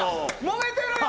もめてるよ！